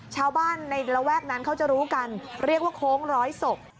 ชาวบ้านในระแวกนั้นเขาจะรู้กันเรียกว่าโค้งร้อยศพ